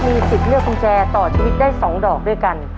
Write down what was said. มีสิทธิ์เลือกกุญแจต่อชีวิตได้๒ดอกด้วยกัน